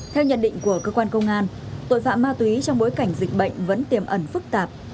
theo nhận định của cơ quan công an tội phạm ma túy trong bối cảnh dịch bệnh vẫn tiềm ẩn phức tạp